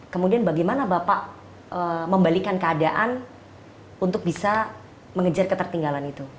kemudian bagaimana bapak membalikan keadaan untuk bisa mengejar ketertinggalan itu